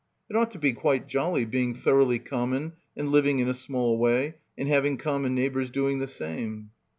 It ought to be quite jolly being thoroughly common and living in a small way and having common neighbours doing the same.